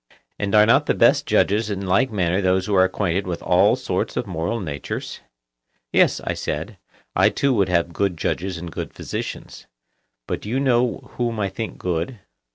and are not the best judges in like manner those who are acquainted with all sorts of moral natures? Yes, I said, I too would have good judges and good physicians. But do you know whom I think good?